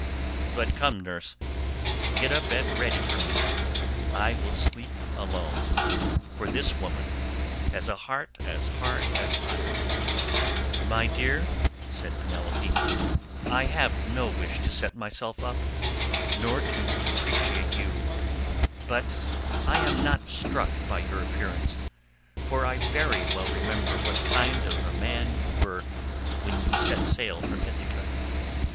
But come, nurse, get a bed ready for me; I will sleep alone, for this woman has a heart as hard as iron." "My dear," answered Penelope, "I have no wish to set myself up, nor to depreciate you; but I am not struck by your appearance, for I very well remember what kind of a man you were when you set sail from Ithaca.